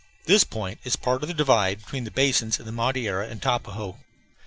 This point is part of the divide between the basins of the Madeira and Tapajos.